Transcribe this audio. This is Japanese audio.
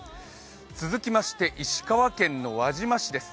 続きまして石川県の輪島市です。